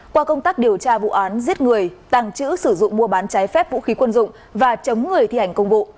qua công tác điều tra vụ án giết người tàng trữ sử dụng mua bán trái phép vũ khí quân dụng và chống người thi hành công vụ